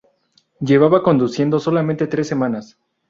Llevaba conduciendo solamente tres semanas.